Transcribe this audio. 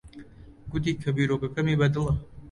گوتی کە بیرۆکەکەمی بەدڵە.